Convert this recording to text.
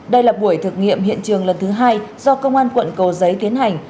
đây là buổi thực nghiệm hiện trường lần thứ hai do công an quận cầu giấy tiến hành